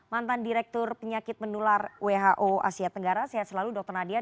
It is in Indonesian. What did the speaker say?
mantan direktur penyakit menular who asia tenggara sehat selalu dr nadia